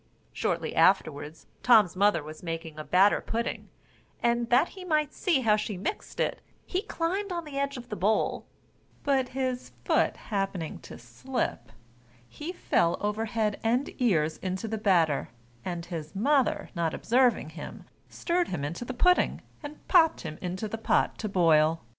Shortly afterwards, Tom's mother was making a batter pudding, and, that he might see how she mixed it, he climbed on the edge of the bowl; but his foot happening to slip, he fell over head and ears into the batter, and his mother not observing him, stirred him into the pudding, and popped him into the pot to boil.